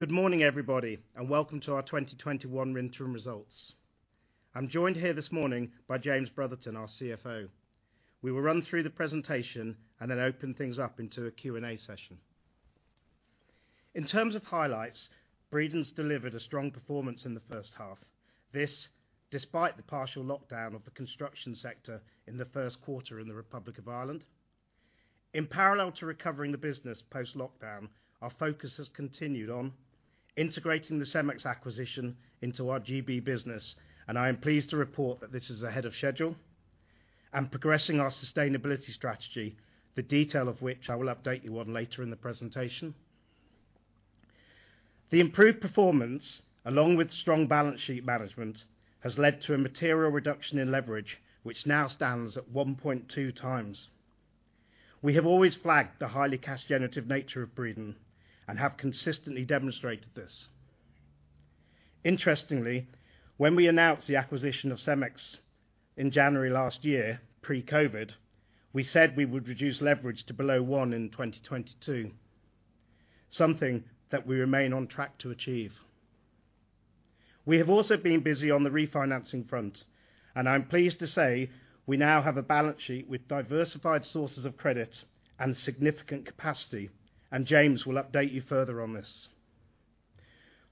Good morning, everybody, and welcome to our 2021 interim results. I am joined here this morning by James Brotherton, our CFO. We will run through the presentation and then open things up into a Q&A session. In terms of highlights, Breedon's delivered a strong performance in the first half. This despite the partial lockdown of the construction sector in the first quarter in the Republic of Ireland. In parallel to recovering the business post-lockdown, our focus has continued on integrating the CEMEX acquisition into our G.B. business, and I am pleased to report that this is ahead of schedule, and progressing our sustainability strategy, the detail of which I will update you on later in the presentation. The improved performance, along with strong balance sheet management, has led to a material reduction in leverage, which now stands at 1.2x. We have always flagged the highly cash generative nature of Breedon and have consistently demonstrated this. Interestingly, when we announced the acquisition of CEMEX in January last year, pre-COVID, we said we would reduce leverage to below 1x in 2022, something that we remain on track to achieve. We have also been busy on the refinancing funds, and I'm pleased to say we now have a balance sheet with diversified sources of credit and significant capacity, and James will update you further on this.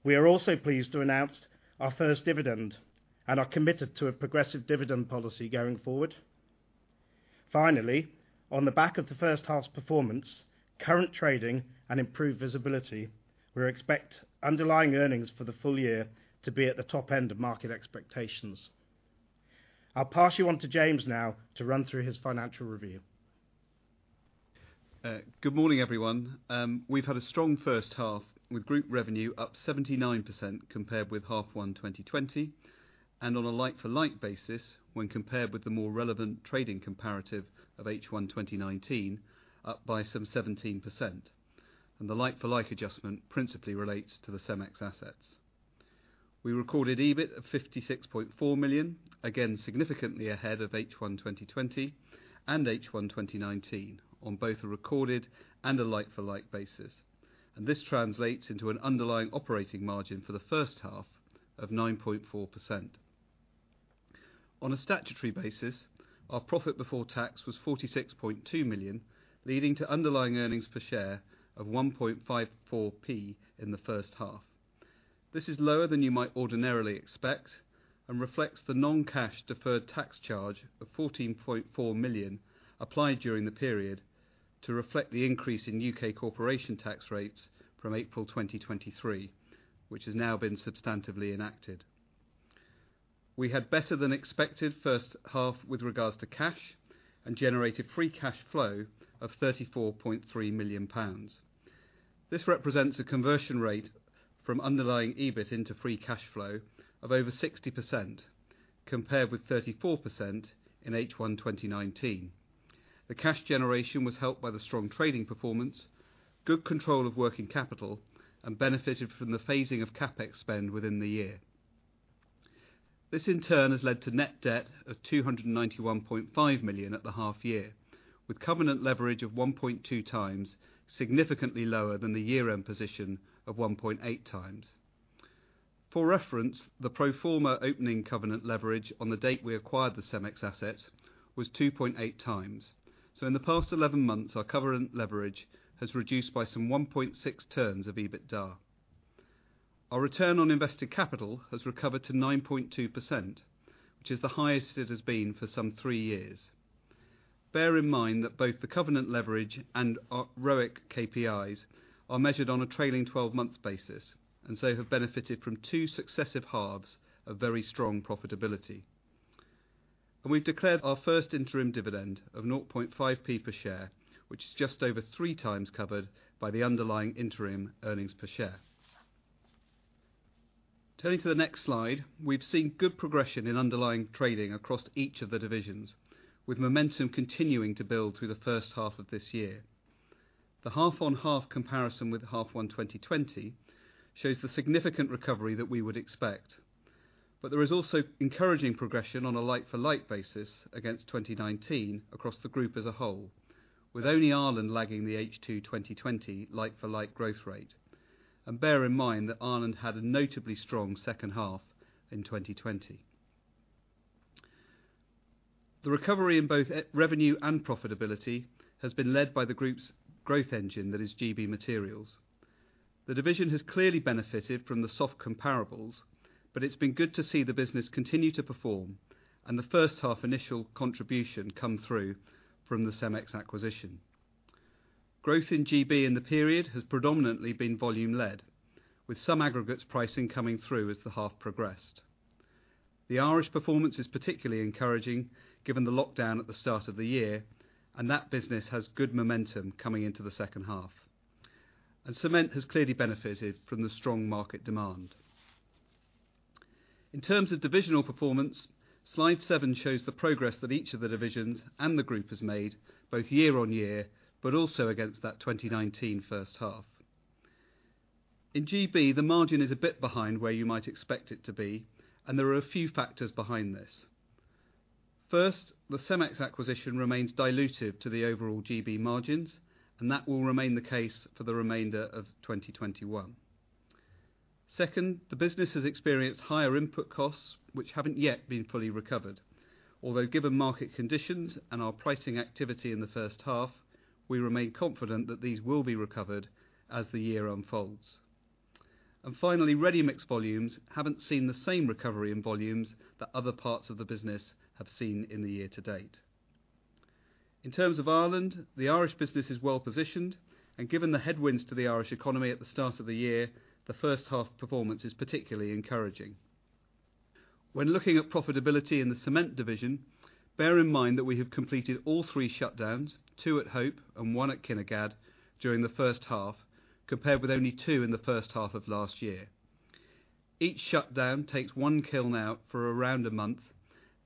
We are also pleased to announce our first dividend and are committed to a progressive dividend policy going forward. Finally, on the back of the first half's performance, current trading, and improved visibility, we expect underlying earnings for the full year to be at the top end of market expectations. I'll pass you on to James now to run through his financial review. Good morning, everyone. We've had a strong first half, with group revenue up 79% compared with half one 2020, and on a like-for-like basis, when compared with the more relevant trading comparative of H1 2019, up by some 17%. The like-for-like adjustment principally relates to the CEMEX assets. We recorded EBIT of 56.4 million, again, significantly ahead of H1 2020 and H1 2019 on both a recorded and a like-for-like basis. This translates into an underlying operating margin for the first half of 9.4%. On a statutory basis, our profit before tax was 46.2 million, leading to underlying earnings per share of 0.0154 in the first half. This is lower than you might ordinarily expect and reflects the non-cash deferred tax charge of 14.4 million applied during the period to reflect the increase in U.K. corporation tax rates from April 2023, which has now been substantively enacted. We had better than expected first half with regards to cash and generated free cash flow of 34.3 million pounds. This represents a conversion rate from underlying EBIT into free cash flow of over 60%, compared with 34% in H1 2019. The cash generation was helped by the strong trading performance, good control of working capital, and benefited from the phasing of CapEx spend within the year. This in turn has led to net debt of 291.5 million at the half year, with covenant leverage of 1.2x, significantly lower than the year-end position of 1.8x. For reference, the pro forma opening covenant leverage on the date we acquired the CEMEX assets was 2.8x. In the past 11 months, our covenant leverage has reduced by some 1.6 turns of EBITDA. Our return on invested capital has recovered to 9.2%, which is the highest it has been for some three years. Bear in mind that both the covenant leverage and ROIC KPIs are measured on a trailing 12 months basis, and so have benefited from two successive halves of very strong profitability. We've declared our first interim dividend of 0.005 per share, which is just over 3x covered by the underlying interim earnings per share. Turning to the next slide, we've seen good progression in underlying trading across each of the divisions, with momentum continuing to build through the first half of this year. The half-on-half comparison with half one 2020 shows the significant recovery that we would expect. There is also encouraging progression on a like-for-like basis against 2019 across the group as a whole, with only Ireland lagging the H2 2020 like-for-like growth rate. Bear in mind that Ireland had a notably strong second half in 2020. The recovery in both revenue and profitability has been led by the group's growth engine that is G.B. Materials. The division has clearly benefited from the soft comparables, but it's been good to see the business continue to perform and the first half initial contribution come through from the CEMEX acquisition. Growth in G.B. in the period has predominantly been volume led, with some aggregates pricing coming through as the half progressed. The Irish performance is particularly encouraging given the lockdown at the start of the year, and that business has good momentum coming into the second half. Cement has clearly benefited from the strong market demand. In terms of divisional performance, slide seven shows the progress that each of the divisions and the group has made, both year-on-year, but also against that 2019 first half. In G.B., the margin is a bit behind where you might expect it to be, and there are a few factors behind this. First, the CEMEX acquisition remains dilutive to the overall G.B. margins, and that will remain the case for the remainder of 2021. Second, the business has experienced higher input costs, which haven't yet been fully recovered, although given market conditions and our pricing activity in the first half, we remain confident that these will be recovered as the year unfolds. Finally, ready-mix volumes haven't seen the same recovery in volumes that other parts of the business have seen in the year to date. In terms of Ireland, the Irish business is well-positioned and given the headwinds to the Irish economy at the start of the year, the first half performance is particularly encouraging. When looking at profitability in the cement division, bear in mind that we have completed all three shutdowns, two at Hope and one at Kinnegad, during the first half, compared with only two in the first half of last year. Each shutdown takes one kiln out for around a month,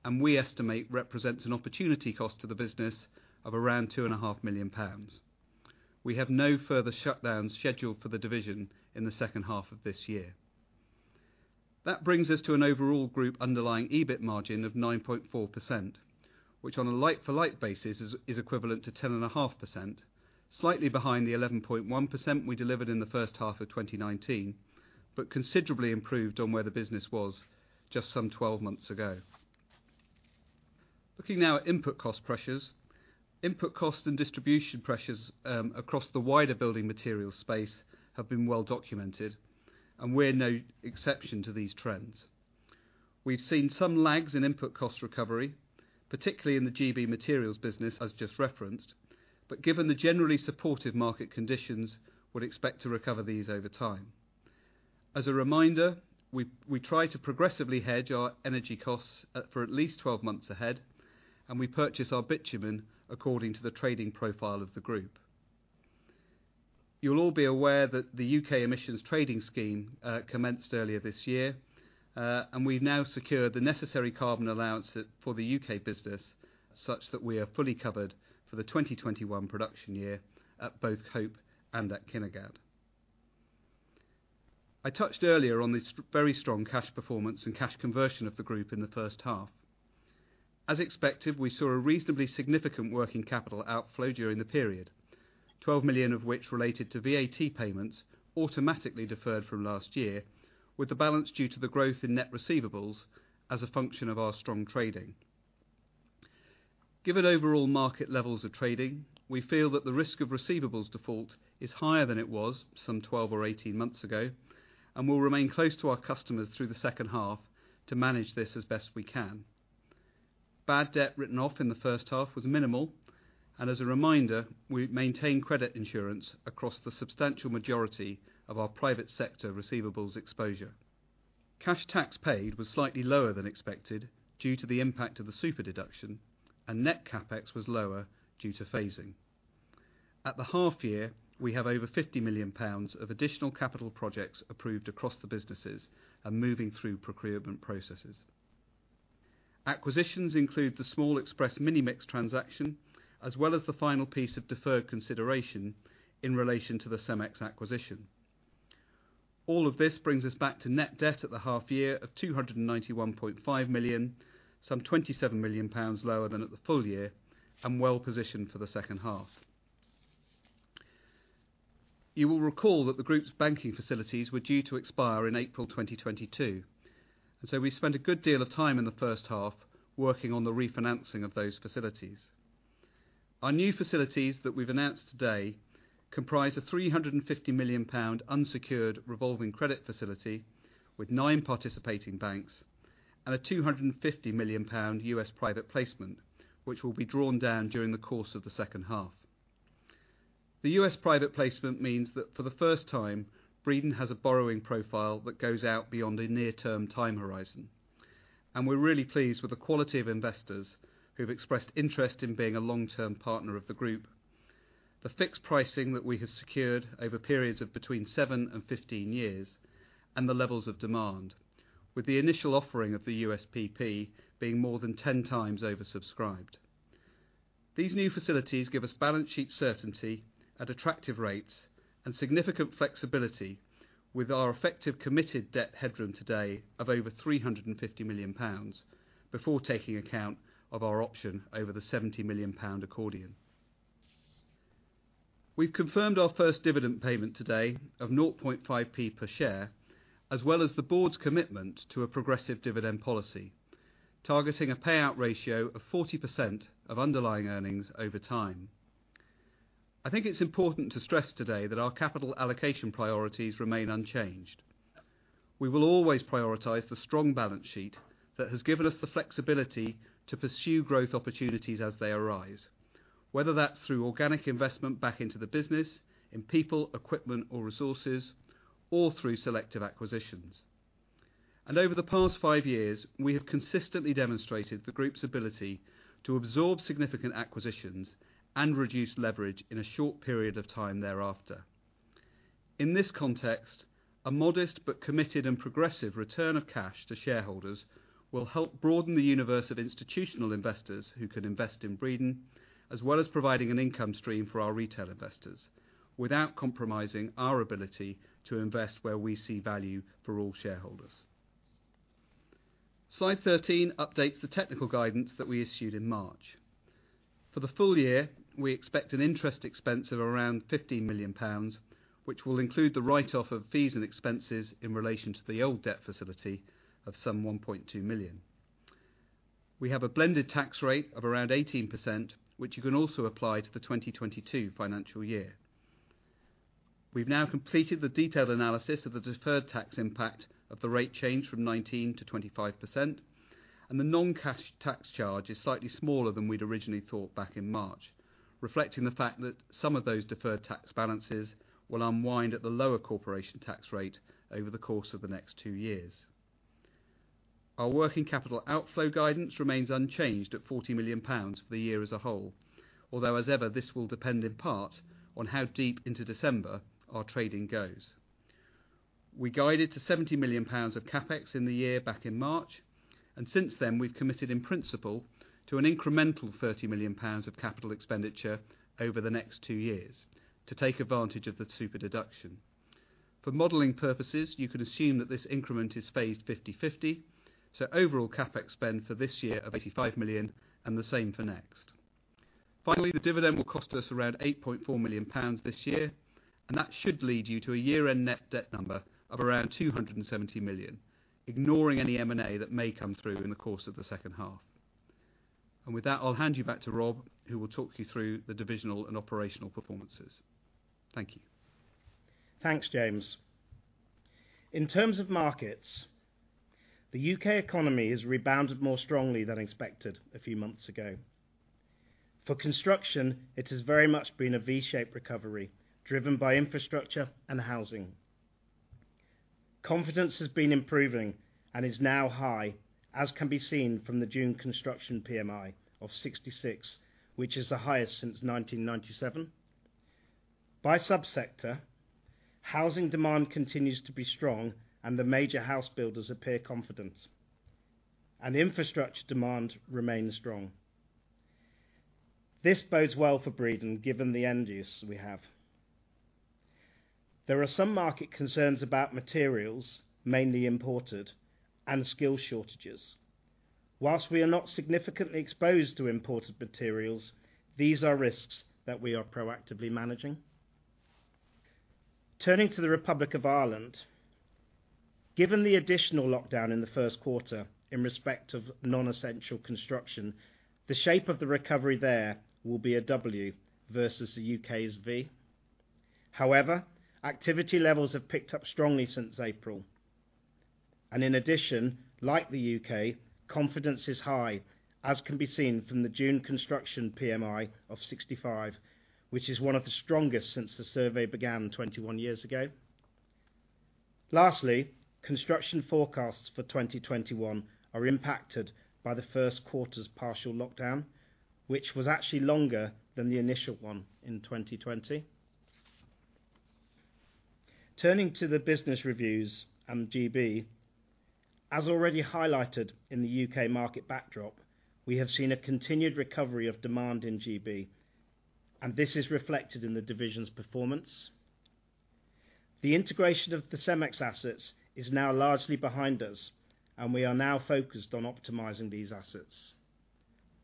and we estimate represents an opportunity cost to the business of around 2.5 million pounds. We have no further shutdowns scheduled for the division in the second half of this year. That brings us to an overall group underlying EBIT margin of 9.4%, which on a like-for-like basis is equivalent to 10.5%, slightly behind the 11.1% we delivered in the first half of 2019, but considerably improved on where the business was just some 12 months ago. Looking now at input cost pressures. Input cost and distribution pressures across the wider building material space have been well documented, and we're no exception to these trends. We've seen some lags in input cost recovery, particularly in the G.B. Materials business as just referenced, but given the generally supportive market conditions, would expect to recover these over time. As a reminder, we try to progressively hedge our energy costs for at least 12 months ahead, and we purchase our bitumen according to the trading profile of the group. You'll all be aware that the U.K. Emissions Trading Scheme commenced earlier this year. We've now secured the necessary carbon allowance for the U.K. business such that we are fully covered for the 2021 production year at both Hope and at Kinnegad. I touched earlier on the very strong cash performance and cash conversion of the group in the first half. As expected, we saw a reasonably significant working capital outflow during the period, 12 million of which related to VAT payments automatically deferred from last year, with the balance due to the growth in net receivables as a function of our strong trading. Given overall market levels of trading, we feel that the risk of receivables default is higher than it was some 12 or 18 months ago. We will remain close to our customers through the second half to manage this as best we can. Bad debt written off in the first half was minimal. As a reminder, we maintain credit insurance across the substantial majority of our private sector receivables exposure. Cash tax paid was slightly lower than expected due to the impact of the super-deduction. Net CapEx was lower due to phasing. At the half year, we have over 50 million pounds of additional capital projects approved across the businesses and moving through procurement processes. Acquisitions include the small Express Minimix transaction, as well as the final piece of deferred consideration in relation to the CEMEX acquisition. All of this brings us back to net debt at the half year of 291.5 million, some 27 million pounds lower than at the full year and well-positioned for the second half. You will recall that the group's banking facilities were due to expire in April 2022, and so we spent a good deal of time in the first half working on the refinancing of those facilities. Our new facilities that we've announced today comprise a 350 million pound unsecured revolving credit facility with nine participating banks and a 250 million pound U.S. Private Placement, which will be drawn down during the course of the second half. The U.S. Private Placement means that for the first time, Breedon has a borrowing profile that goes out beyond a near-term time horizon, and we're really pleased with the quality of investors who have expressed interest in being a long-term partner of the group. The fixed pricing that we have secured over periods of between 7 and 15 years and the levels of demand, with the initial offering of the USPP being more than 10x oversubscribed. These new facilities give us balance sheet certainty at attractive rates and significant flexibility with our effective committed debt headroom today of over 350 million pounds before taking account of our option over the 70 million pound accordion. We've confirmed our first dividend payment today of 0.005 per share, as well as the board's commitment to a progressive dividend policy, targeting a payout ratio of 40% of underlying earnings over time. I think it's important to stress today that our capital allocation priorities remain unchanged. We will always prioritize the strong balance sheet that has given us the flexibility to pursue growth opportunities as they arise, whether that's through organic investment back into the business, in people, equipment, or resources, or through selective acquisitions. Over the past five years, we have consistently demonstrated the group's ability to absorb significant acquisitions and reduce leverage in a short period of time thereafter. In this context, a modest but committed and progressive return of cash to shareholders will help broaden the universe of institutional investors who can invest in Breedon, as well as providing an income stream for our retail investors without compromising our ability to invest where we see value for all shareholders. Slide 13 updates the technical guidance that we issued in March. For the full year, we expect an interest expense of around 15 million pounds, which will include the write-off of fees and expenses in relation to the old debt facility of some 1.2 million. We have a blended tax rate of around 18%, which you can also apply to the 2022 financial year. We've now completed the detailed analysis of the deferred tax impact of the rate change from 19% to 25%, and the non-cash tax charge is slightly smaller than we'd originally thought back in March, reflecting the fact that some of those deferred tax balances will unwind at the lower Corporation Tax rate over the course of the next two years. Our working capital outflow guidance remains unchanged at 40 million pounds for the year as a whole, although as ever, this will depend in part on how deep into December our trading goes. We guided to 70 million pounds of CapEx in the year back in March, and since then, we've committed in principle to an incremental 30 million pounds of capital expenditure over the next two years to take advantage of the super-deduction. For modeling purposes, you can assume that this increment is phased 50/50, so overall CapEx spend for this year of 85 million and the same for next. Finally, the dividend will cost us around 8.4 million pounds this year, and that should lead you to a year-end net debt number of around 270 million, ignoring any M&A that may come through in the course of the second half. With that, I'll hand you back to Rob, who will talk you through the divisional and operational performances. Thank you. Thanks, James. In terms of markets, the U.K. economy has rebounded more strongly than expected a few months ago. For construction, it has very much been a V-shaped recovery, driven by infrastructure and housing. Confidence has been improving and is now high, as can be seen from the June construction PMI of 66, which is the highest since 1997. By sub-sector, housing demand continues to be strong and the major house builders appear confident, and infrastructure demand remains strong. This bodes well for Breedon, given the end use we have. There are some market concerns about materials, mainly imported, and skill shortages. While we are not significantly exposed to imported materials, these are risks that we are proactively managing. Turning to the Republic of Ireland, given the additional lockdown in the first quarter in respect of non-essential construction, the shape of the recovery there will be a W versus the U.K.'s V. However, activity levels have picked up strongly since April. In addition, like the U.K., confidence is high, as can be seen from the June construction PMI of 65, which is one of the strongest since the survey began 21 years ago. Lastly, construction forecasts for 2021 are impacted by the first quarter's partial lockdown, which was actually longer than the initial one in 2020. Turning to the business reviews and G.B., as already highlighted in the U.K. market backdrop, we have seen a continued recovery of demand in G.B., and this is reflected in the division's performance. The integration of the CEMEX assets is now largely behind us, and we are now focused on optimizing these assets.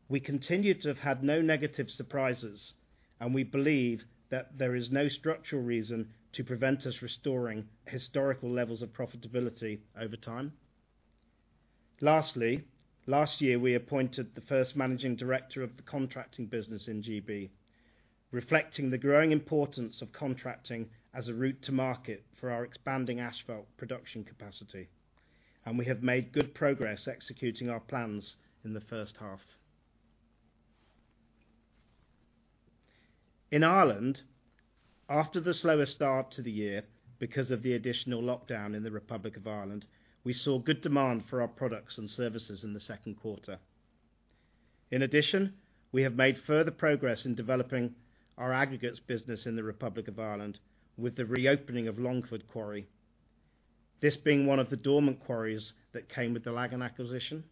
We continue to have had no negative surprises, and we believe that there is no structural reason to prevent us restoring historical levels of profitability over time. Lastly, last year, we appointed the first managing director of the contracting business in G.B., reflecting the growing importance of contracting as a route to market for our expanding asphalt production capacity, and we have made good progress executing our plans in the first half. In Ireland, after the slower start to the year because of the additional lockdown in the Republic of Ireland, we saw good demand for our products and services in the second quarter. In addition, we have made further progress in developing our aggregates business in the Republic of Ireland with the reopening of Longford Quarry, this being one of the dormant quarries that came with the Lagan acquisition.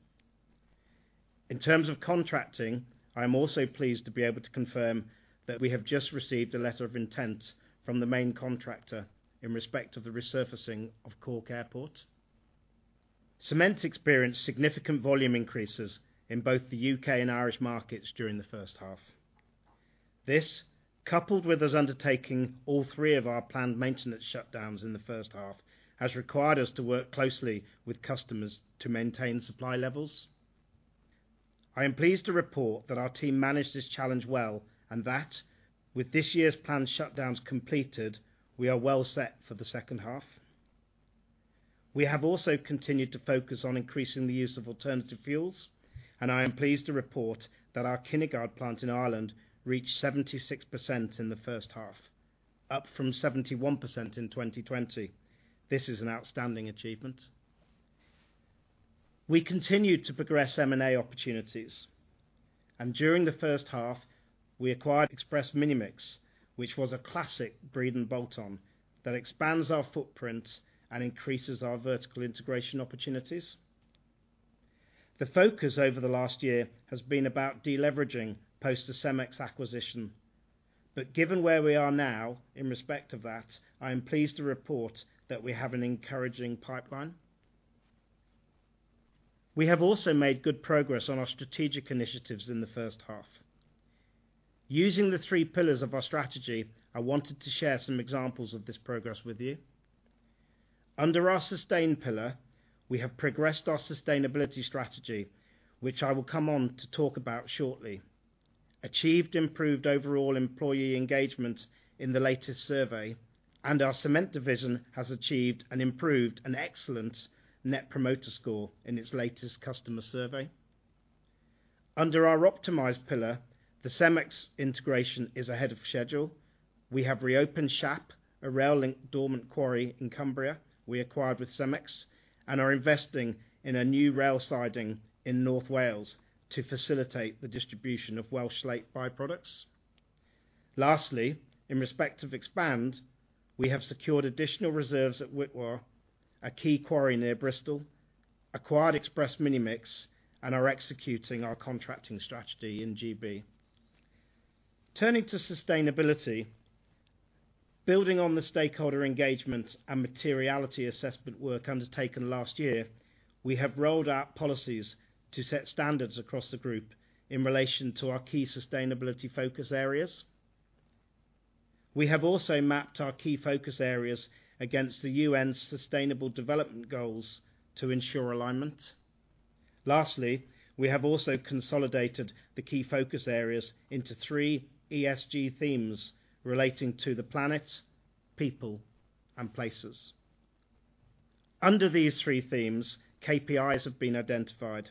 In terms of contracting, I am also pleased to be able to confirm that we have just received a letter of intent from the main contractor in respect of the resurfacing of Cork Airport. Cement experienced significant volume increases in both the U.K. and Irish markets during the first half. This, coupled with us undertaking all three of our planned maintenance shutdowns in the first half, has required us to work closely with customers to maintain supply levels. I am pleased to report that our team managed this challenge well and that with this year's planned shutdowns completed, we are well set for the second half. We have also continued to focus on increasing the use of alternative fuels. I am pleased to report that our Kinnegad plant in Ireland reached 76% in the first half, up from 71% in 2020. This is an outstanding achievement. We continued to progress M&A opportunities. During the first half, we acquired Express Minimix, which was a classic Breedon bolt-on that expands our footprint and increases our vertical integration opportunities. The focus over the last year has been about de-leveraging post the CEMEX acquisition. Given where we are now in respect of that, I am pleased to report that we have an encouraging pipeline. We have also made good progress on our strategic initiatives in the first half. Using the three pillars of our strategy, I wanted to share some examples of this progress with you. Under our sustain pillar, we have progressed our sustainability strategy, which I will come on to talk about shortly, achieved improved overall employee engagement in the latest survey, and our cement division has achieved an improved and excellent Net Promoter Score in its latest customer survey. Under our optimize pillar, the CEMEX integration is ahead of schedule. We have reopened Shap, a rail link dormant quarry in Cumbria we acquired with CEMEX, and are investing in a new rail siding in North Wales to facilitate the distribution of Welsh slate byproducts. Lastly, in respect of expand, we have secured additional reserves at Wickwar, a key quarry near Bristol, acquired Express Minimix, and are executing our contracting strategy in G.B. Turning to sustainability, building on the stakeholder engagement and materiality assessment work undertaken last year, we have rolled out policies to set standards across the group in relation to our key sustainability focus areas. We have also mapped our key focus areas against the UN Sustainable Development Goals to ensure alignment. Lastly, we have also consolidated the key focus areas into three ESG themes relating to the planet, people, and places. Under these three themes, KPIs have been identified.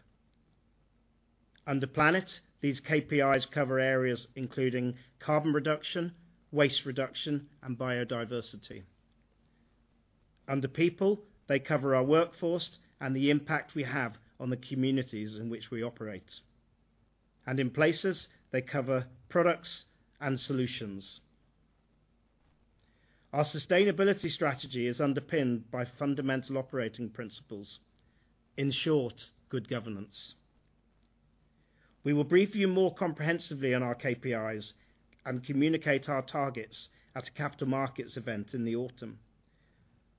Under planet, these KPIs cover areas including carbon reduction, waste reduction, and biodiversity. Under people, they cover our workforce and the impact we have on the communities in which we operate. In places, they cover products and solutions. Our sustainability strategy is underpinned by fundamental operating principles. In short, good governance. We will brief you more comprehensively on our KPIs and communicate our targets at a capital markets event in the autumn.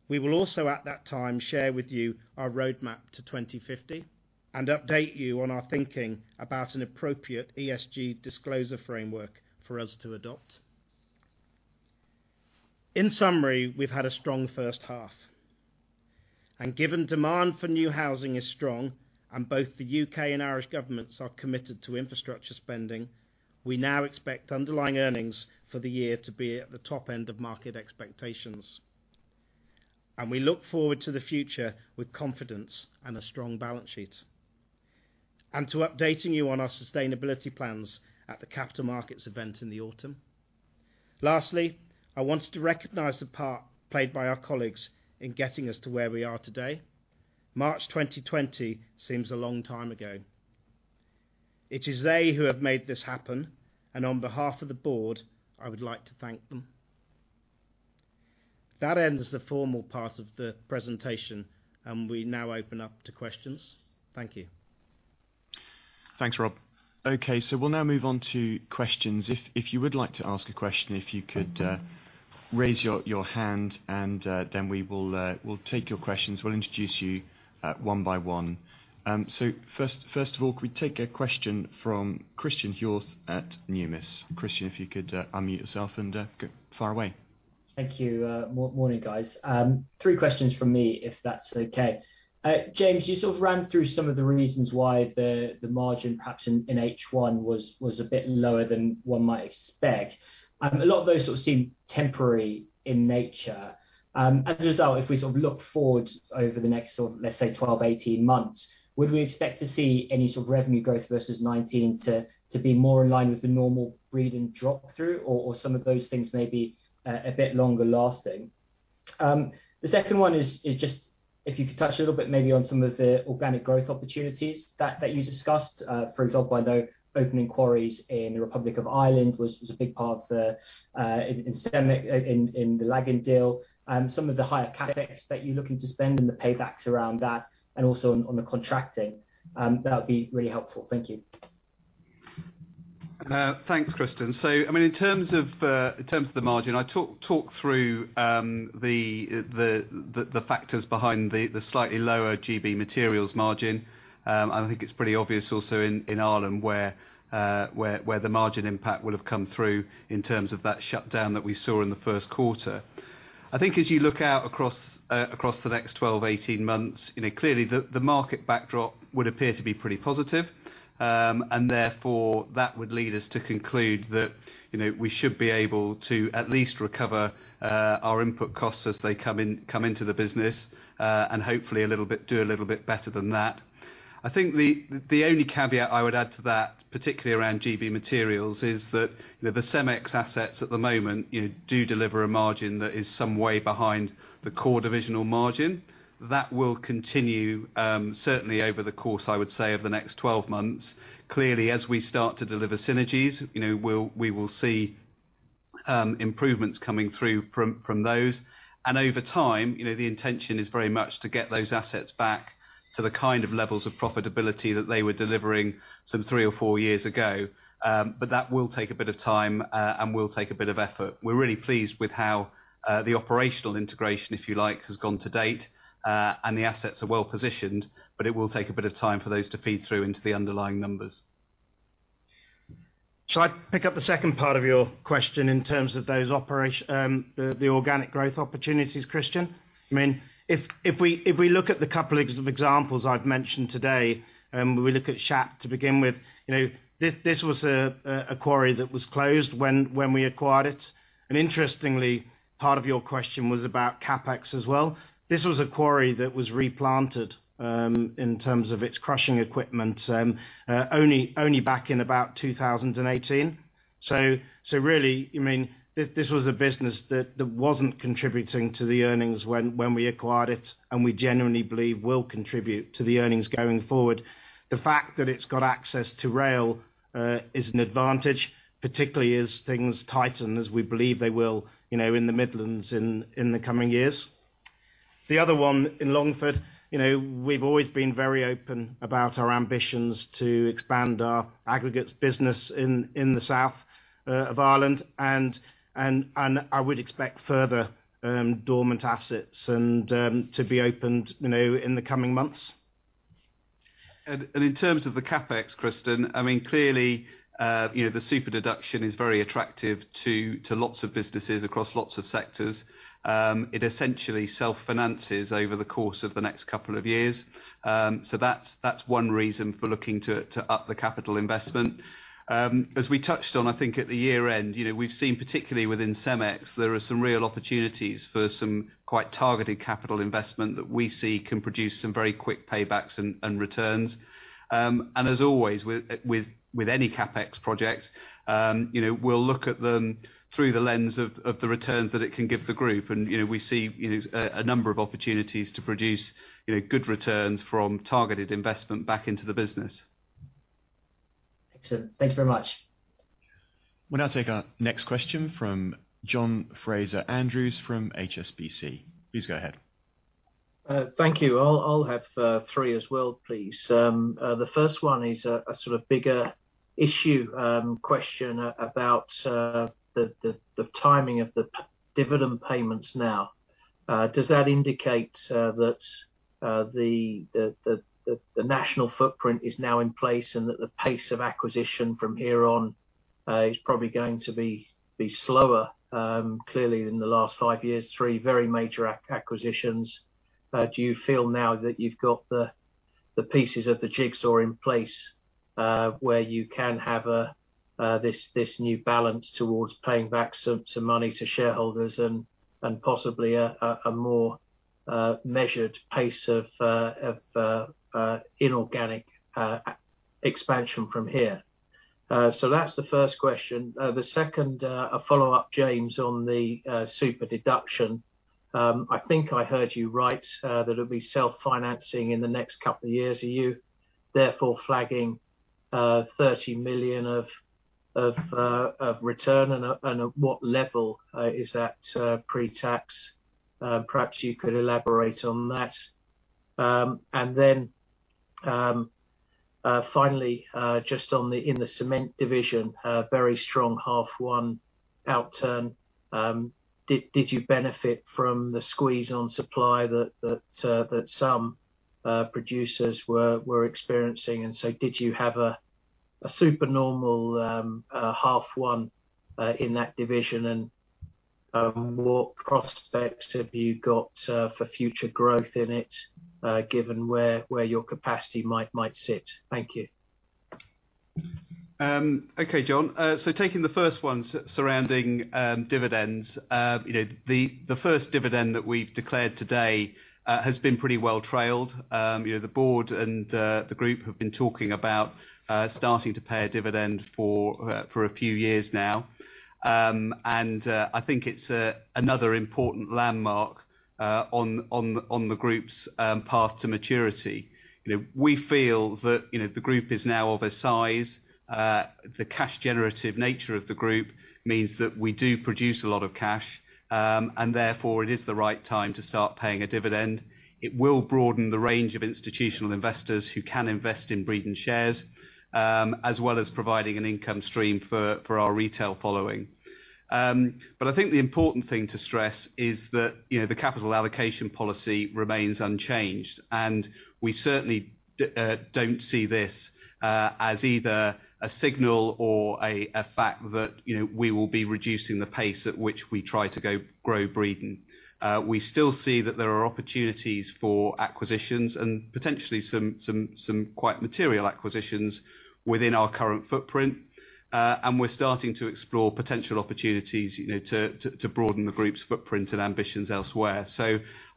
We will also at that time, share with you our roadmap to 2050 and update you on our thinking about an appropriate ESG disclosure framework for us to adopt. In summary, we've had a strong first half. Given demand for new housing is strong and both the U.K. and Irish governments are committed to infrastructure spending, we now expect underlying earnings for the year to be at the top end of market expectations. We look forward to the future with confidence and a strong balance sheet, and to updating you on our sustainability plans at the capital markets event in the autumn. Lastly, I wanted to recognize the part played by our colleagues in getting us to where we are today. March 2020 seems a long time ago. It is they who have made this happen, and on behalf of the board, I would like to thank them. That ends the formal part of the presentation, and we now open up to questions. Thank you. Thanks, Rob. Okay, we'll now move on to questions. If you would like to ask a question, if you could raise your hand, we'll take your questions. We'll introduce you one by one. First of all, could we take a question from Christen Hjorth at Numis? Christen, if you could unmute yourself and fire away. Thank you. Morning, guys. Three questions from me if that's okay. James, you sort of ran through some of the reasons why the margin perhaps in H1 was a bit lower than one might expect. A lot of those sort of seem temporary in nature. If we look forward over the next, let's say 12, 18 months, would we expect to see any sort of revenue growth versus 2019 to be more in line with the normal Breedon drop-through or some of those things may be a bit longer lasting? The second one is just if you could touch a little bit maybe on some of the organic growth opportunities that you discussed. For example, by the opening quarries in the Republic of Ireland, which was a big part in the Lagan deal. Some of the higher CapEx that you're looking to spend and the paybacks around that and also on the contracting, that would be really helpful. Thank you. Thanks, Christen. In terms of the margin, I talked through the factors behind the slightly lower G.B. Materials margin. I think it's pretty obvious also in Ireland where the margin impact will have come through in terms of that shutdown that we saw in the first quarter. I think, if you look at across, across the next 12, 18 months, and it clearly the market backdrop would appear to be pretty positive. Therefore, that would lead us to conclude that we should be able to at least recover our input costs as they come into the business. Hopefully do a little bit better than that. I think the only caveat I would add to that, particularly around G.B. Materials, is that the CEMEX assets at the moment do deliver a margin that is some way behind the core divisional margin. That will continue, certainly over the course, I would say, of the next 12 months. Clearly, as we start to deliver synergies, we will see improvements coming through from those. Over time, the intention is very much to get those assets back to the kind of levels of profitability that they were delivering some three or four years ago. That will take a bit of time, and will take a bit of effort. We're really pleased with how the operational integration, if you like, has gone to date. The assets are well positioned, but it will take a bit of time for those to feed through into the underlying numbers. Shall I pick up the second part of your question in terms of the organic growth opportunities, Christen? We look at the couple examples I've mentioned today, we look at Shap to begin with, this was a quarry that was closed when we acquired it. Interestingly, part of your question was about CapEx as well. This was a quarry that was replanted, in terms of its crushing equipment, only back in about 2018. Really, this was a business that wasn't contributing to the earnings when we acquired it, and we genuinely believe will contribute to the earnings going forward. The fact that it's got access to rail is an advantage, particularly as things tighten as we believe they will, in the Midlands in the coming years. The other one in Longford, we've always been very open about our ambitions to expand our aggregates business in the South of Ireland. I would expect further dormant assets to be opened in the coming months. In terms of the CapEx, Christen, clearly the super-deduction is very attractive to lots of businesses across lots of sectors. It essentially self-finances over the course of the next couple of years. That's one reason for looking to up the capital investment. As we touched on, I think, at the year-end, we've seen, particularly within CEMEX, there are some real opportunities for some quite targeted capital investment that we see can produce some very quick paybacks and returns. As always, with any CapEx project, we'll look at them through the lens of the returns that it can give the group. We see a number of opportunities to produce good returns from targeted investment back into the business. Excellent. Thank you very much. We'll now take our next question from John Fraser-Andrews from HSBC. Please go ahead. Thank you. I'll have three as well, please. The first one is a sort of bigger issue question about the timing of the dividend payments now. Does that indicate that the national footprint is now in place and that the pace of acquisition from here on is probably going to be slower, clearly, than the last five years, three very major acquisitions. Do you feel now that you've got the pieces of the jigsaw in place, where you can have this new balance towards paying back some money to shareholders and possibly a more measured pace of inorganic expansion from here? That's the first question. The second, a follow-up, James, on the super-deduction. I think I heard you right, that it'll be self-financing in the next couple of years. Are you therefore flagging 30 million of return, and at what level is that pre-tax? Perhaps you could elaborate on that. Finally, just in the cement division, very strong half one outturn. Did you benefit from the squeeze on supply that some producers were experiencing? Did you have a super normal half one in that division? What prospects have you got for future growth in it, given where your capacity might sit? Thank you. Okay, John. Taking the first one surrounding dividends. The first dividend that we've declared today has been pretty well trailed. The board and the group have been talking about starting to pay a dividend for a few years now. I think it's another important landmark on the group's path to maturity. We feel that the group is now of a size. The cash generative nature of the group means that we do produce a lot of cash. Therefore, it is the right time to start paying a dividend. It will broaden the range of institutional investors who can invest in Breedon shares, as well as providing an income stream for our retail following. I think the important thing to stress is that the capital allocation policy remains unchanged. We certainly don't see this as either a signal or a fact that we will be reducing the pace at which we try to grow Breedon. We still see that there are opportunities for acquisitions and potentially some quite material acquisitions within our current footprint. We're starting to explore potential opportunities to broaden the group's footprint and ambitions elsewhere.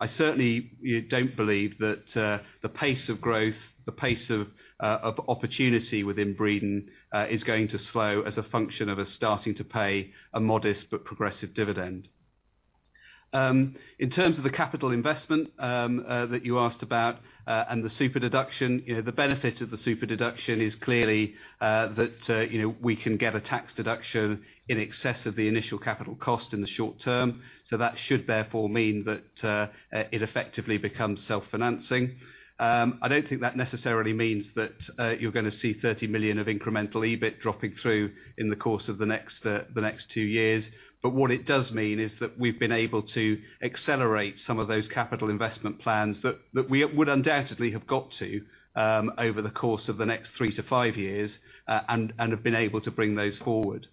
I certainly don't believe that the pace of growth, the pace of opportunity within Breedon is going to slow as a function of us starting to pay a modest but progressive dividend. In terms of the capital investment that you asked about and the super-deduction, the benefit of the super-deduction is clearly that we can get a tax deduction in excess of the initial capital cost in the short term. That should therefore mean that it effectively becomes self-financing. I don't think that necessarily means that you're going to see 30 million of incremental EBIT dropping through in the course of the next two years. What it does mean is that we've been able to accelerate some of those capital investment plans that we would undoubtedly have got to over the course of the next three to five years, and have been able to bring those forward.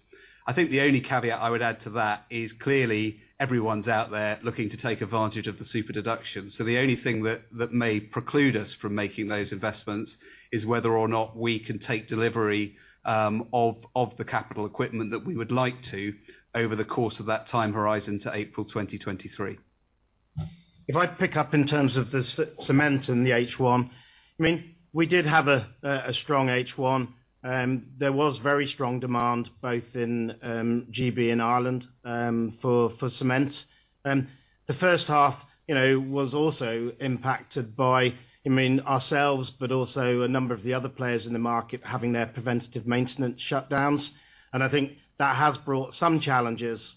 I think the only caveat I would add to that is clearly everyone's out there looking to take advantage of the super-deduction, the only thing that may preclude us from making those investments is whether or not we can take delivery of the capital equipment that we would like to over the course of that time horizon to April 2023. If I pick up in terms of the cement and the H1, we did have a strong H1. There was very strong demand both in G.B. and Ireland for cement. The first half was also impacted by ourselves, but also a number of the other players in the market having their preventative maintenance shutdowns. I think that has brought some challenges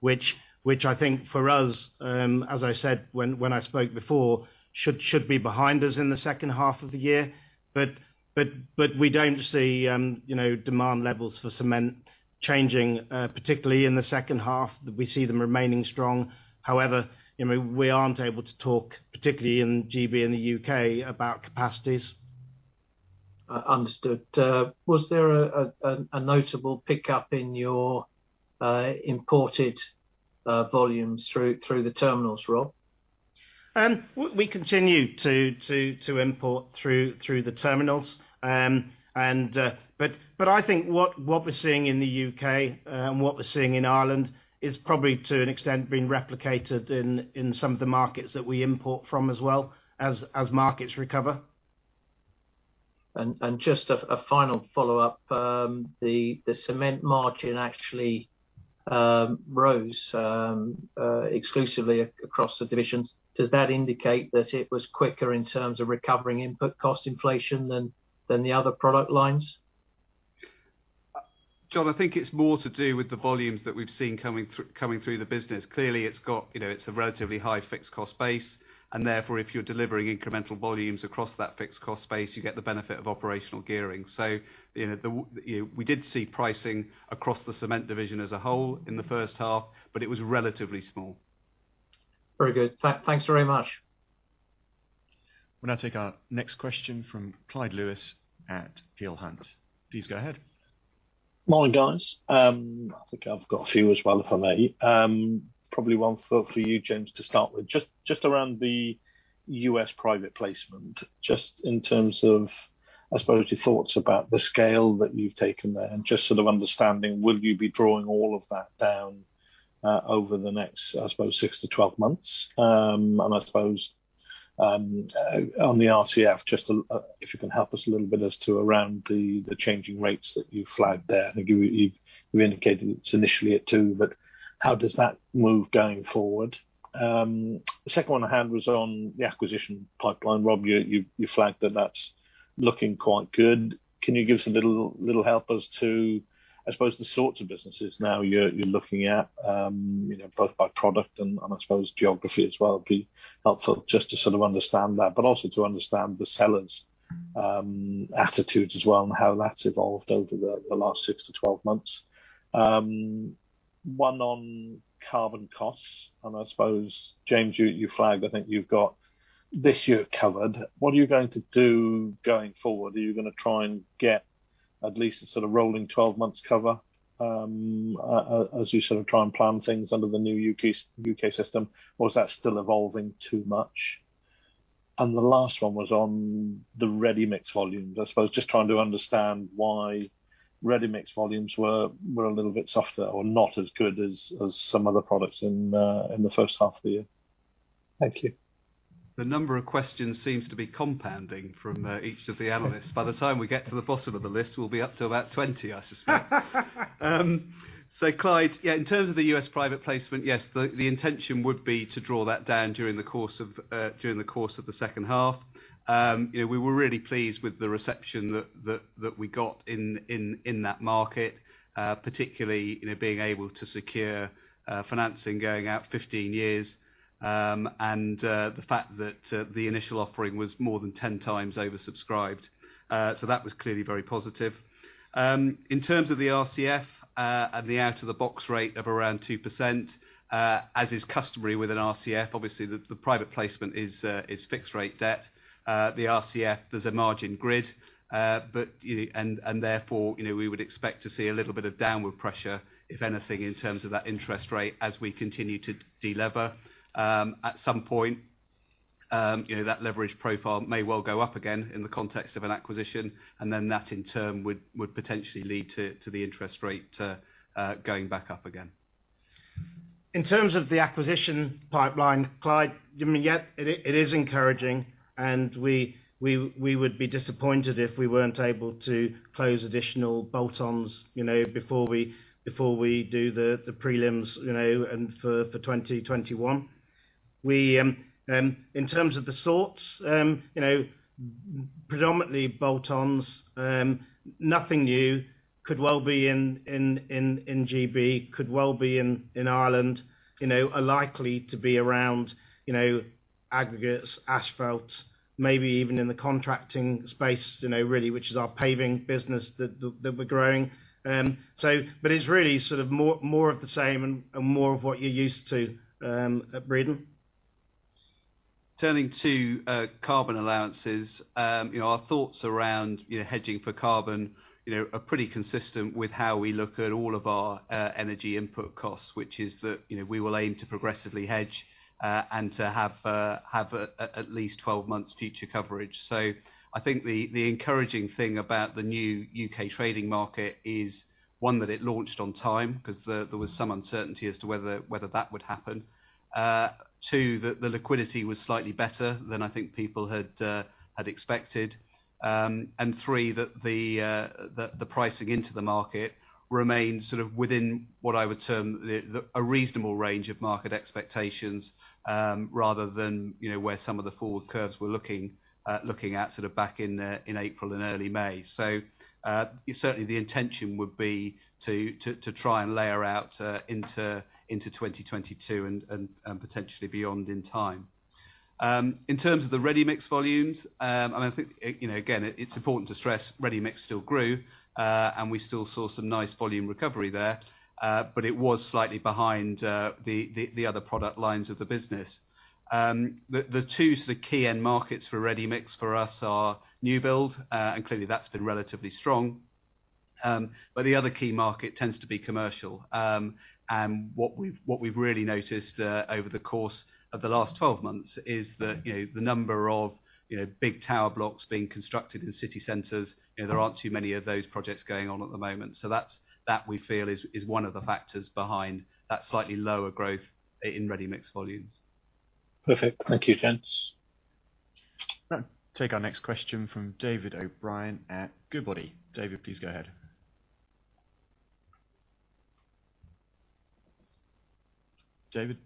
which I think for us, as I said when I spoke before, should be behind us in the second half of the year. We don't see demand levels for cement changing, particularly in the second half. We see them remaining strong. We aren't able to talk, particularly in G.B. and the U.K., about capacities. Understood. Was there a notable pickup in your imported volumes through the terminals, Rob? We continue to import through the terminals, but I think what we're seeing in the U.K. and what we're seeing in Ireland is probably, to an extent, being replicated in some of the markets that we import from as well, as markets recover. Just a final follow-up. The cement margin actually rose exclusively across the divisions. Does that indicate that it was quicker in terms of recovering input cost inflation than the other product lines? John, I think it's more to do with the volumes that we've seen coming through the business. Clearly, it's a relatively high fixed cost base. Therefore, if you're delivering incremental volumes across that fixed cost base, you get the benefit of operational gearing. We did see pricing across the cement division as a whole in the first half, but it was relatively small. Very good. Thanks very much. We'll now take our next question from Clyde Lewis at Peel Hunt. Please go ahead. Morning, guys. I think I've got a few as well, if I may. Probably one for you, James, to start with, just around the U.S. Private Placement, just in terms of, I suppose, your thoughts about the scale that you've taken there and just sort of understanding, would you be drawing all of that down over the next, I suppose, 6-12 months? I suppose on the RCF, just if you can help us a little bit as to around the changing rates that you flagged there. I think you indicated it's initially at 2x. How does that move going forward? The second one I had was on the acquisition pipeline. Rob, you flagged that that's looking quite good. Can you give us a little help as to, I suppose, the sorts of businesses now you're looking at, both by product and I suppose geography as well? It'd be helpful just to sort of understand that, also to understand the sellers' attitudes as well and how that's evolved over the last 6-12 months. One on carbon costs, I suppose, James, you flagged, I think you've got this year covered. What are you going to do going forward? Are you going to try and get at least a sort of rolling 12 months cover as you try and plan things under the new U.K. system? Is that still evolving too much? The last one was on the ready-mix volumes. I suppose just trying to understand why ready-mix volumes were a little bit softer or not as good as some other products in the first half of the year. Thank you. The number of questions seems to be compounding from each of the analysts. By the time we get to the bottom of the list, we'll be up to about 20, I suspect. Clyde, yeah, in terms of the U.S. Private Placement, yes, the intention would be to draw that down during the course of the second half. We were really pleased with the reception that we got in that market, particularly being able to secure financing going out 15 years, and the fact that the initial offering was more than 10x oversubscribed. That was clearly very positive. In terms of the RCF and the out of the box rate of around 2%, as is customary with an RCF, obviously the private placement is fixed rate debt. The RCF, there's a margin grid, and therefore, we would expect to see a little bit of downward pressure, if anything, in terms of that interest rate as we continue to delever. At some point, that leverage profile may well go up again in the context of an acquisition, and then that in turn would potentially lead to the interest rate going back up again. In terms of the acquisition pipeline, Clyde, yeah, it is encouraging, and we would be disappointed if we weren't able to close additional bolt-ons before we do the prelims for 2021. In terms of the sorts, predominantly bolt-ons. Nothing new. Could well be in G.B., could well be in Ireland. Are likely to be around aggregates, asphalts, maybe even in the contracting space, really, which is our paving business that we're growing. It's really more of the same and more of what you're used to at Breedon. Turning to carbon allowances. Our thoughts around hedging for carbon are pretty consistent with how we look at all of our energy input costs, which is that we will aim to progressively hedge and to have at least 12 months future coverage. I think the encouraging thing about the new U.K. trading market is, one, that it launched on time, because there was some uncertainty as to whether that would happen. Two, that the liquidity was slightly better than I think people had expected. Three, that the pricing into the market remains within what I would term a reasonable range of market expectations, rather than where some of the forward curves were looking at back in April and early May. Certainly the intention would be to try and layer out into 2022 and potentially beyond in time. In terms of the ready-mix volumes, and I think, again, it's important to stress ready-mix still grew, and we still saw some nice volume recovery there. It was slightly behind the other product lines of the business. The two key end markets for ready-mix for us are new build, and clearly that's been relatively strong. The other key market tends to be commercial. What we've really noticed over the course of the last 12 months is that the number of big tower blocks being constructed in city centers, there aren't too many of those projects going on at the moment. That, we feel, is one of the factors behind that slightly lower growth in ready-mix volumes. Perfect. Thank you, gents. Let's take our next question from David O'Brien at Goodbody. David, please go ahead. David?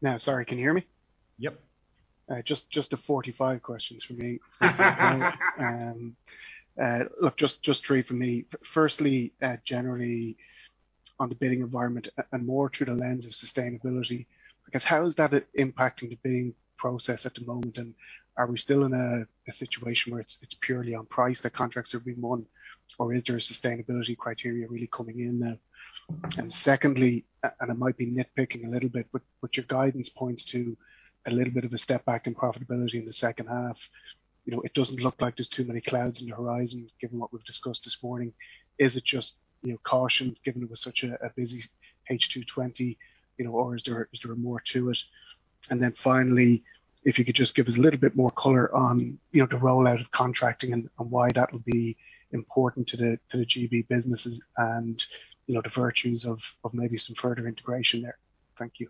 Yeah, sorry. Can you hear me? Yep. All right. Just the 45 questions from me. Look, just three from me. Firstly, generally on the bidding environment and more through the lens of sustainability, I guess how is that impacting the bidding process at the moment, and are we still in a situation where it's purely on price that contracts are being won, or is there a sustainability criteria really coming in now? Secondly, and I might be nitpicking a little bit, but your guidance points to a little bit of a step back in profitability in the second half. It doesn't look like there's too many clouds on the horizon, given what we've discussed this morning. Is it just caution, given it was such a busy H2 2020, or is there more to it? Finally, if you could just give us a little bit more color on the rollout of contracting and why that would be important to the G.B. businesses and the virtues of maybe some further integration there. Thank you.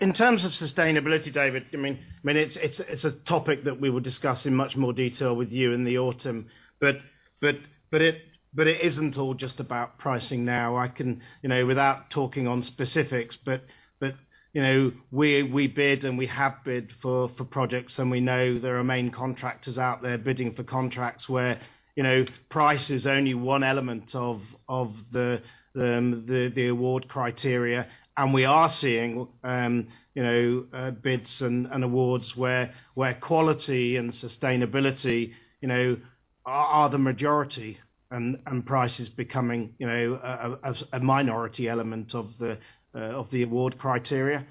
In terms of sustainability, David, it's a topic that we will discuss in much more detail with you in the autumn. It isn't all just about pricing now. I can, you know, without talking on specifics, but, you know, we bid, and we have bid for projects, and we know there are main contractors out there bidding for contracts where price is only one element of the award criteria. We are seeing bids and awards where quality and sustainability are the majority, and price is becoming a minority element of the award criteria.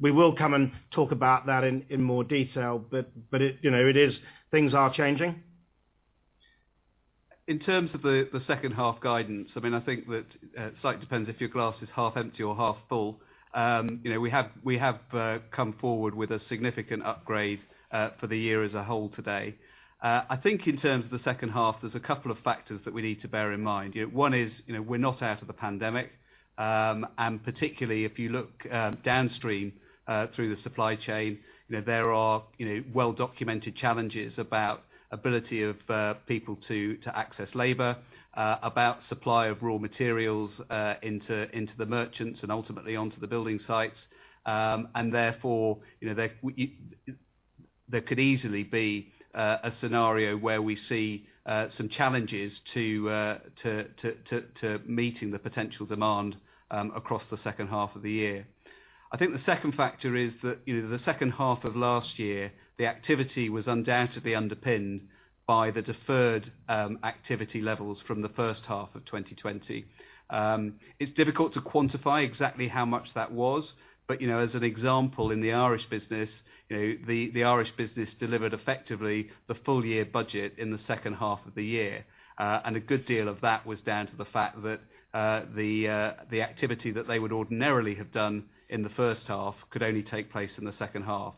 We will come and talk about that in more detail. Things are changing. In terms of the second half guidance, I think that slightly depends if your glass is half empty or half full. We have come forward with a significant upgrade for the year as a whole today. I think in terms of the second half, there's a couple of factors that we need to bear in mind. One is, we're not out of the pandemic. Particularly if you look downstream through the supply chain, there are well-documented challenges about ability of people to access labor, about supply of raw materials into the merchants, and ultimately onto the building sites. Therefore, there could easily be a scenario where we see some challenges to meeting the potential demand across the second half of the year. I think the second factor is that the second half of last year, the activity was undoubtedly underpinned by the deferred activity levels from the first half of 2020. It is difficult to quantify exactly how much that was, but as an example, in the Irish business, the Irish business delivered effectively the full year budget in the second half of the year. A good deal of that was down to the fact that the activity that they would ordinarily have done in the first half could only take place in the second half.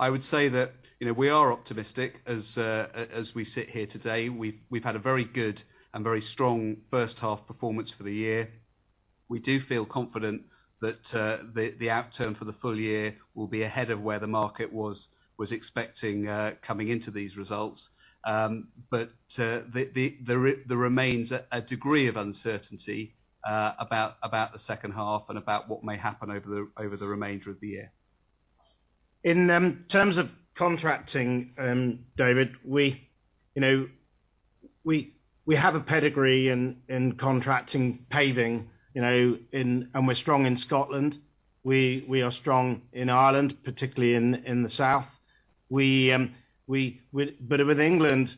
I would say that we are optimistic as we sit here today. We have had a very good and very strong first half performance for the year. We do feel confident that the outturn for the full year will be ahead of where the market was expecting coming into these results. There remains a degree of uncertainty about the second half and about what may happen over the remainder of the year. In terms of contracting, David, we have a pedigree in contracting paving, and we're strong in Scotland. We are strong in Ireland, particularly in the south. With England,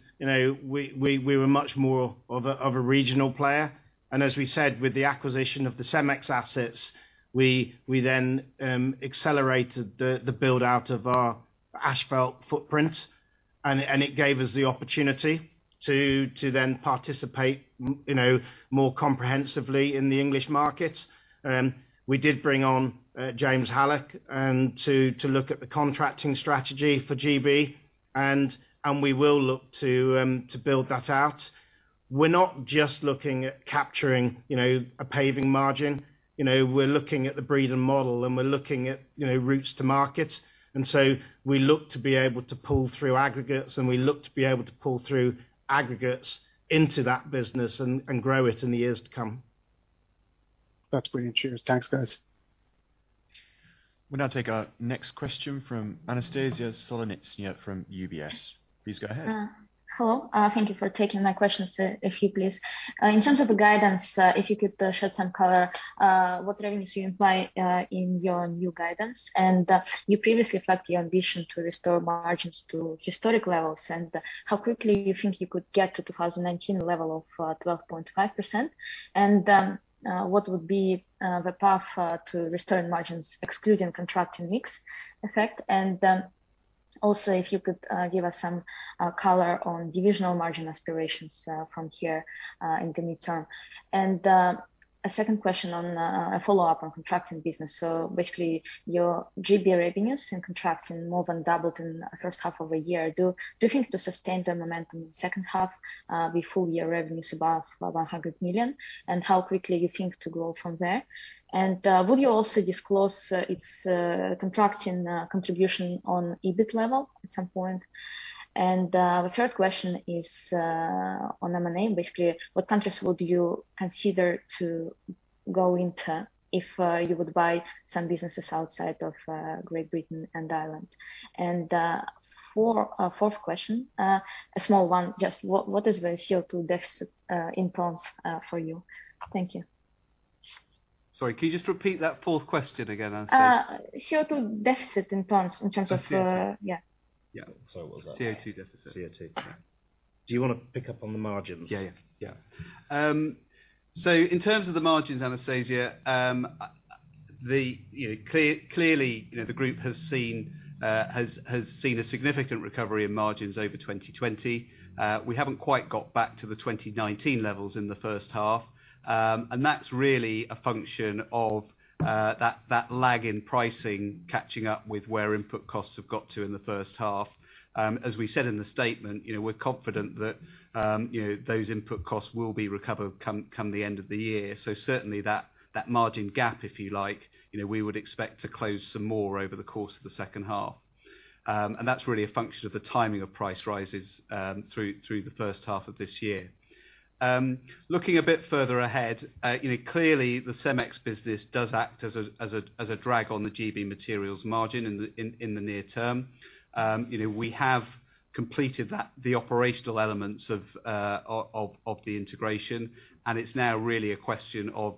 we were much more of a regional player. As we said, with the acquisition of the CEMEX assets, we then accelerated the build-out of our asphalt footprint, and it gave us the opportunity to then participate more comprehensively in the English market. We did bring on James Haluch to look at the contracting strategy for G.B., and we will look to build that out. We're not just looking at capturing a paving margin. We're looking at the Breedon model, and we're looking at routes to market. We look to be able to pull through aggregates, and we look to be able to pull through aggregates into that business and grow it in the years to come. That's brilliant. Cheers. Thanks, guys. We'll now take our next question from Anastasia Solonitsyna from UBS. Please go ahead. Hello. Thank you for taking my question, sir. If you please, in terms of the guidance, if you could shed some color what revenues you imply in your new guidance, and you previously flagged the ambition to restore margins to historic levels, and how quickly you think you could get to 2019 level of 12.5%? What would be the path to restoring margins excluding contracting mix effect? Also if you could give us some color on divisional margin aspirations from here in the near term. A second question on a follow-up on contracting business. Basically your G.B. revenues in contracting more than doubled in the first half of the year. Do you think to sustain the momentum in the second half before your revenue is above 100 million, and how quickly you think to grow from there? Would you also disclose its contracting contribution on EBIT level at some point? The third question is on M&A. Basically, what countries would you consider to go into if you would buy some businesses outside of Great Britain and Ireland? Fourth question, a small one, just what is the CO2 deficit in pounds for you? Thank you. Sorry, could you just repeat that fourth question again, Anastasia? CO2 deficit in pounds in terms of- Sorry, what was that? CO2 deficit. CO2. Do you want to pick up on the margins? Yeah. In terms of the margins, Anastasia, clearly the group has seen a significant recovery in margins over 2020. We haven't quite got back to the 2019 levels in the first half. That's really a function of that lag in pricing catching up with where input costs have got to in the first half. As we said in the statement, we're confident that those input costs will be recovered come the end of the year. Certainly that margin gap, if you like, we would expect to close some more over the course of the second half. That's really a function of the timing of price rises through the first half of this year. Looking a bit further ahead, clearly the CEMEX business does act as a drag on the G.B. Materials margin in the near term. We have completed the operational elements of the integration, and it's now really a question of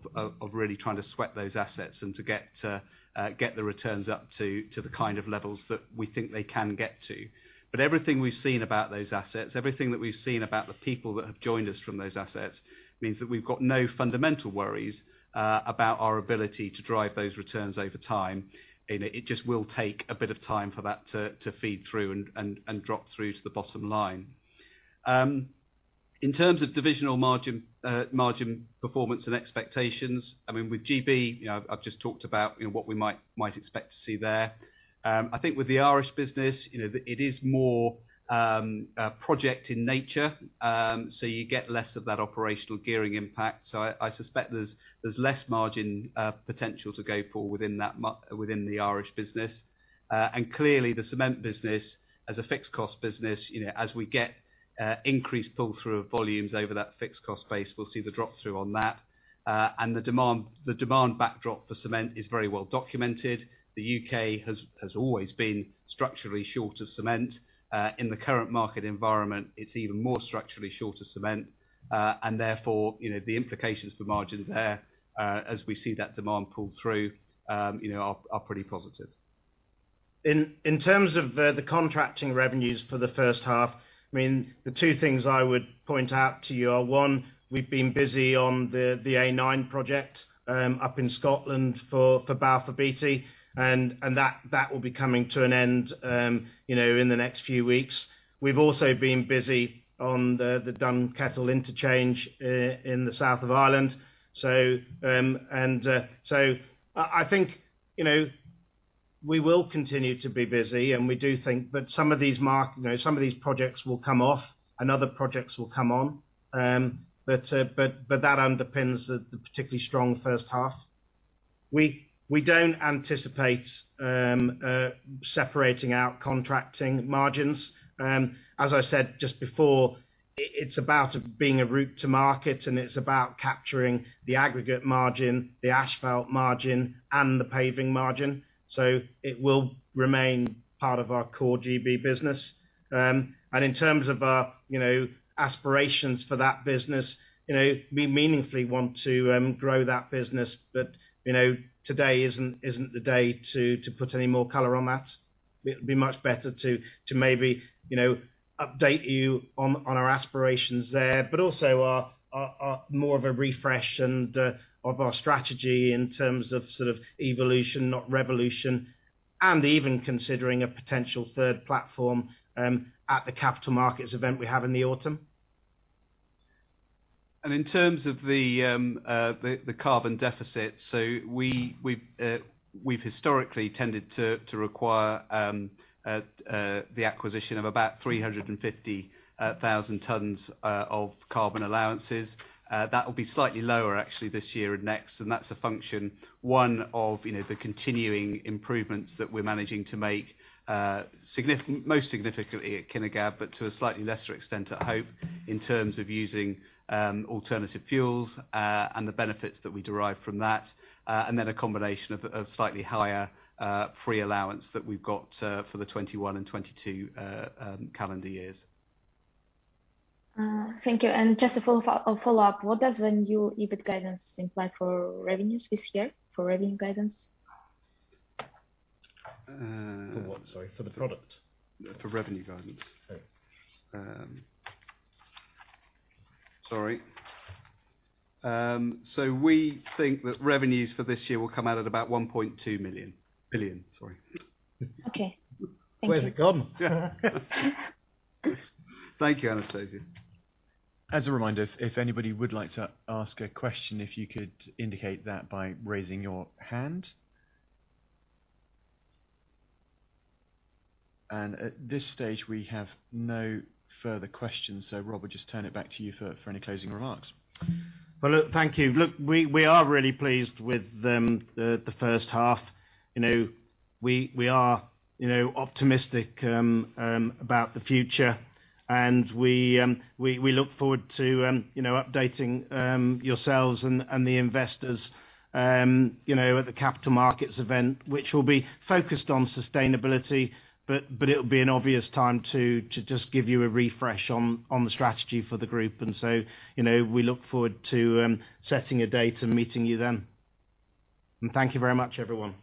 really trying to sweat those assets and to get the returns up to the kind of levels that we think they can get to. Everything we've seen about those assets, everything that we've seen about the people that have joined us from those assets, means that we've got no fundamental worries about our ability to drive those returns over time. It just will take a bit of time for that to feed through and drop through to the bottom line. In terms of divisional margin performance and expectations, I mean, with G.B., I've just talked about what we might expect to see there. I think with the Irish business, it is more project in nature, so you get less of that operational gearing impact. I suspect there's less margin potential to go for within the Irish business. Clearly the cement business as a fixed cost business, as we get increased pull-through of volumes over that fixed cost base, we'll see the drop-through on that. The demand backdrop for cement is very well documented. The U.K. has always been structurally short of cement. In the current market environment, it's even more structurally short of cement. Therefore, the implications for margins there, as we see that demand pull-through, are pretty positive. In terms of the contracting revenues for the first half, I mean, the two things I would point out to you are, one, we've been busy on the A9 project up in Scotland for Balfour Beatty, and that will be coming to an end in the next few weeks. We've also been busy on the Dunkettle Interchange in the South of Ireland. I think we will continue to be busy, and we do think that some of these projects will come off and other projects will come on. That underpins the particularly strong first half. We don't anticipate separating out contracting margins. As I said just before, it's about being a route to market, and it's about capturing the aggregates margin, the asphalt margin, and the paving margin. It will remain part of our core G.B. business. In terms of our aspirations for that business, we meaningfully want to grow that business. Today isn't the day to put any more color on that. It'd be much better to maybe update you on our aspirations there, but also more of a refresh of our strategy in terms of evolution, not revolution, and even considering a potential third platform at the capital markets event we have in the autumn. In terms of the carbon deficit, so we've historically tended to require the acquisition of about 350,000 tons of carbon allowances. That will be slightly lower actually this year and next, and that's a function, one of the continuing improvements that we're managing to make most significantly at Kinnegad, but to a slightly lesser extent at Hope in terms of using alternative fuels, and the benefits that we derive from that, and then a combination of a slightly higher free allowance that we've got for the 2021 and 2022 calendar years. Thank you. Just a follow-up. What does the new EBIT guidance imply for revenues this year, for revenue guidance? For what, sorry? For the product? For revenue guidance. Sorry. We think that revenues for this year will come out at about 1.2 million. Billion, sorry. Okay. Thank you. Where's it gone? Thank you, Anastasia. As a reminder, if anybody would like to ask a question, if you could indicate that by raising your hand. At this stage, we have no further questions. Rob, just turn it back to you for any closing remarks. Well, look, thank you. Look, we are really pleased with the first half. We are optimistic about the future, and we look forward to updating yourselves and the investors at the capital markets event, which will be focused on sustainability, but it'll be an obvious time to just give you a refresh on the strategy for the group. We look forward to setting a date and meeting you then. Thank you very much, everyone.